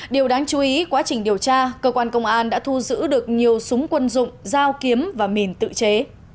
điều đáng chú ý quá trình điều tra cơ quan công an đã thu giữ được nhiều súng quân dụng dao kiếm và mìn tự chế